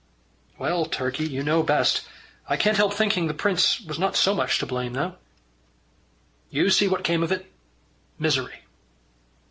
"Well, Turkey, you know best. I can't help thinking the prince was not so much to blame, though." "You see what came of it misery."